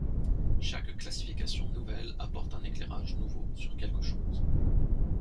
Chaque classification nouvelle apporte un éclairage nouveau sur quelque chose.